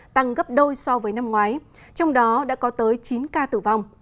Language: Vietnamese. tăng gấp đôi so với năm ngoái trong đó đã có tới chín ca tử vong